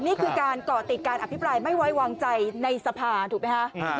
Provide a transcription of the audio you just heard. นี่คือการก่อติดการอภิปรายไม่ไว้วางใจในสภาถูกไหมคะ